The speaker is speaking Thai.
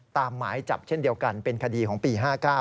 หมายจับเช่นเดียวกันเป็นคดีของปี๕๙